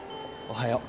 おはよう。